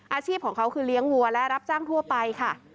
อาชีพของเขาคือเลี้ยงวัวและรับจ้างทั่วไปค่ะ